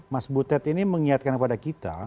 mas butet ini mengingatkan kepada kita